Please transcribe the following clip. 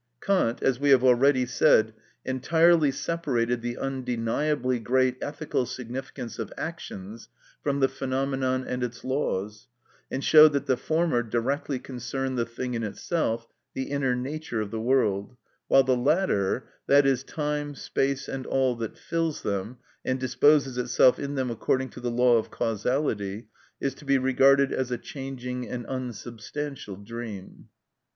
Kant, as we have already said, entirely separated the undeniably great ethical significance of actions from the phenomenon and its laws, and showed that the former directly concerned the thing in itself, the inner nature of the world, while the latter, i.e., time, space, and all that fills them, and disposes itself in them according to the law of causality, is to be regarded as a changing and unsubstantial dream.